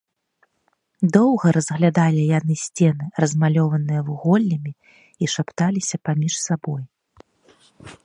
Доўга разглядалі яны сцены, размалёваныя вуголлямі, і шапталіся паміж сабой.